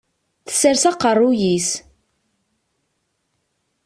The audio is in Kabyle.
Tessers aqerruy-is.